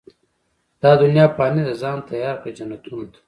دا دنيا فاني ده، ځان تيار کړه، جنتونو ته